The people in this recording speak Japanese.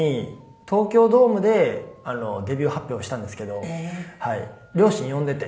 東京ドームでデビュー発表をしたんですけど両親呼んでいて。